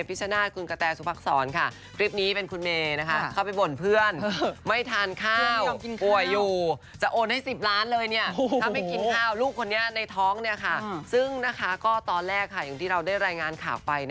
ลูกคนนี้ในท้องซึ่งตอนแรกที่เราได้รายงานข่าวไป